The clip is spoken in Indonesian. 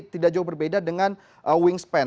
tidak jauh berbeda dengan wingspan